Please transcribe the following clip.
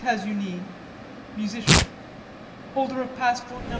Musician. Holder of passport No.